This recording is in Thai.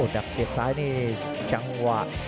อ่อเดอปเสียดซ้ายอยู่จังหวะ